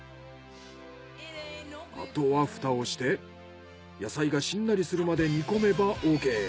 あとはフタをして野菜がしんなりするまで煮込めばＯＫ。